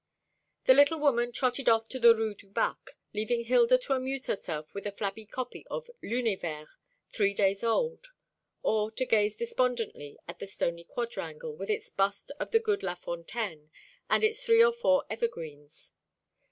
The little woman trotted off to the Rue du Bac, leaving Hilda to amuse herself with a flabby copy of L'Univers, three days old; or to gaze despondently at the stony quadrangle, with its bust of the good Lafontaine, and its three or four evergreens.